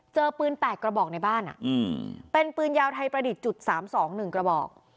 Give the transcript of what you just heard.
เจอปืน๘กระบอกในบ้านเป็นปืนยาวไทยประดิษฐ์จุด๓๒๑กระบอก